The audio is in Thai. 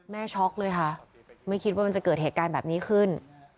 ช็อกเลยค่ะไม่คิดว่ามันจะเกิดเหตุการณ์แบบนี้ขึ้น